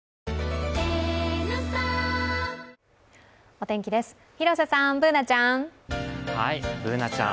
お天気です、広瀬さん、Ｂｏｏｎａちゃん。